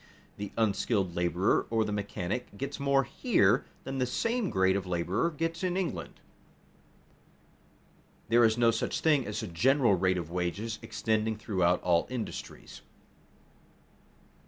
_, the unskilled laborer or the mechanic gets more here than the same grade of laborer gets in England. There is no such thing as a general rate of wages extending throughout all industries.